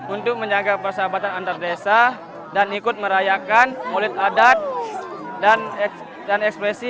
untuk menjaga persahabatan antar desa dan ikut merayakan mulut adat dan ekspresi